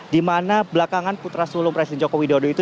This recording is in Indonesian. di mana belakangan putra solo presiden joko widodo itu